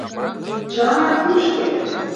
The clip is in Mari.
— Чыланат кӱшкӧ!